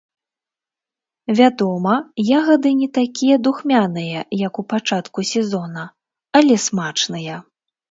Вядома, ягады не такія духмяныя, як у пачатку сезона, але смачныя.